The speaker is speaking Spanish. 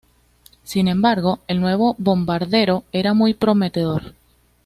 Sin embargo, el nuevo bombardero era muy prometedor.